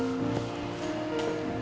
terima kasih pak